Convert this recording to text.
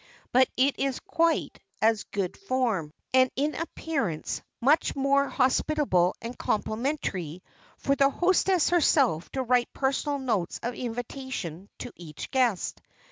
But it is quite as good form, and in appearance much more hospitable and complimentary, for the hostess herself to write personal notes of invitation to each guest.